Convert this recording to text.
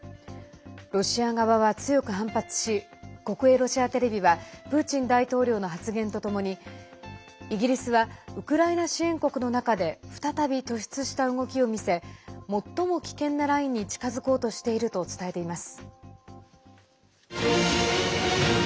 ロシア側は強く反発し国営ロシアテレビはプーチン大統領の発言とともにイギリスはウクライナ支援国の中で再び突出した動きを見せ最も危険なラインに近づこうとしていると伝えています。